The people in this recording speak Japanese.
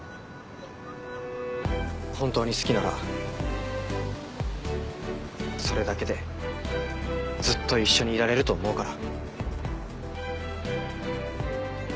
本当に好きならそれだけでずっと一緒にいられると思うから。